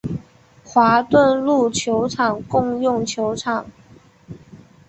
华顿路球场共用球场。